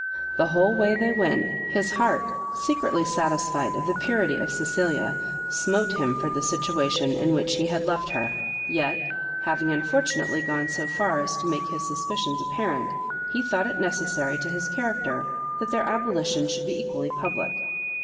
The whole way they went, his heart, secretly satisfied of the purity of Cecilia, smote him for the situation in which he had left her; yet, having unfortunately gone so far as to make his suspicions apparent, he thought it necessary to his character that their abolition should be equally public.